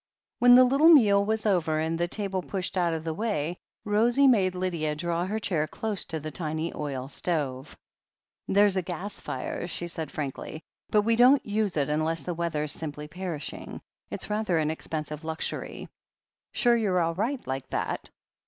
When the little meal was over and the table pushed THE HEEL OF ACHILLES 167 out of the way, Rosie made Lydia draw her chair close to the tiny oil stove. "There's a gas fire," she said frankly, "but we don't use it unless the weather's simply perishing. It's rather an expensive luxury. Sure you're all right like that?"